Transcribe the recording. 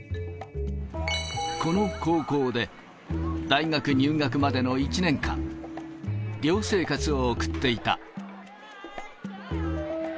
この高校で、大学入学までの１年間、寮生活を送っていた。